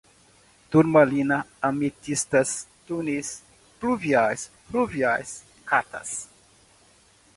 turmalina, ametista, túneis, pluviais, fluviais, catas